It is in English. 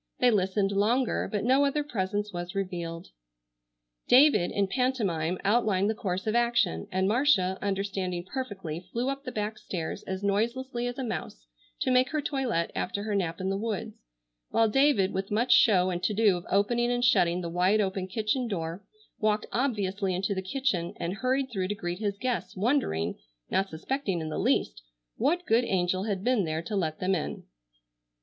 They listened longer, but no other presence was revealed. David in pantomime outlined the course of action, and Marcia, understanding perfectly flew up the back stairs as noiselessly as a mouse, to make her toilet after her nap in the woods, while David with much show and to do of opening and shutting the wide open kitchen door walked obviously into the kitchen and hurried through to greet his guests wondering,—not suspecting in the least,—what good angel had been there to let them in.